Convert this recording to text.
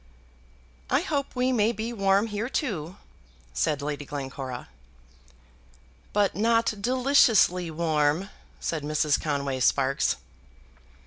"I hope we may be warm here too," said Lady Glencora. "But not deliciously warm," said Mrs. Conway Sparkes.